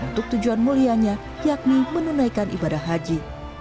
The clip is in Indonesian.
untuk tujuan mulianya yakni menunaikan ibadah haji